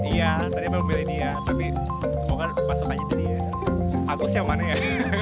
iya ternyata memilih dia tapi semoga masuk aja dia agus yang mana ya